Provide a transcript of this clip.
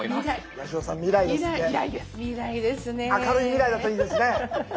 明るい未来だといいですね。